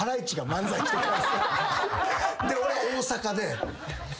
俺大阪で。